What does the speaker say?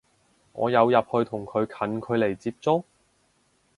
你有入去同佢近距離接觸？